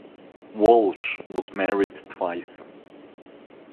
Walsh was married twice.